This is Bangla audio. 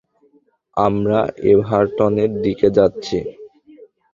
আমরা এভারটনের দিকে যাচ্ছি।